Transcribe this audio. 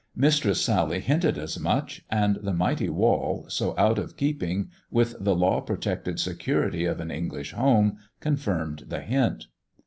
Mistress Sally hinted as much, and the mighty wall, so out of keeping with the law protected security of an English home, confirmed the hint.